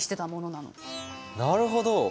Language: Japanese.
なるほど！